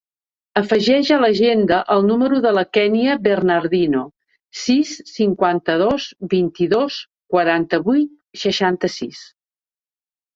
Afegeix a l'agenda el número de la Kènia Bernardino: sis, cinquanta-dos, vint-i-dos, quaranta-vuit, setanta-sis.